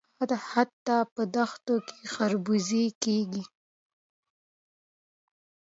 حتی په دښتو کې خربوزې کیږي.